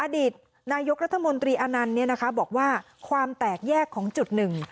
อดีตนายกรัฐมนตรีอนันต์บอกว่าความแตกแยกของจุดหนึ่ง